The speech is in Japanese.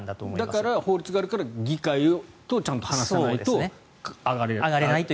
だから、法律があるから議会とちゃんと話さないと上がれないと。